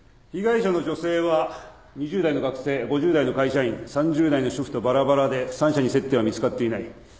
被害者の女性は２０代の学生５０代の会社員３０代の主婦とバラバラで三者に接点は見つかっていない。